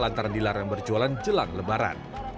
lantaran dilarang berjualan jelang lebaran